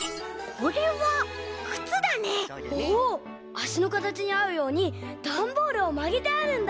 あしのかたちにあうようにダンボールをまげてあるんだ。